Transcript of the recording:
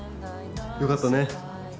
よかったね。